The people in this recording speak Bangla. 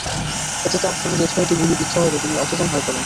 এতে তাঁর শরীরে ছয়টি গুলি বিদ্ধ হলে তিনি অচেতন হয়ে পড়েন।